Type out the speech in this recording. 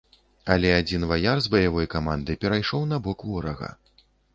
Але адзін ваяр з баявой каманды перайшоў на бок ворага.